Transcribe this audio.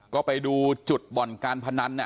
ก็ไปดูจุดบ่อนการพนัน